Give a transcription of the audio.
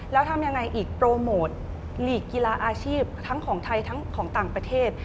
แล้วทำยังไงอีกโปรโมทหลีกกีฬาอาชีพทั้งของไทยทั้งของต่างประเทศ